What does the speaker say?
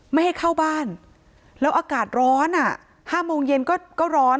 ไม่ให้เข้าบ้านแล้วอากาศร้อน๕โมงเย็นก็ร้อน